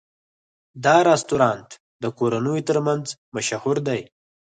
دا رستورانت د کورنیو تر منځ مشهور دی.